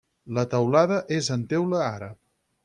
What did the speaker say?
La teulada és en teula àrab.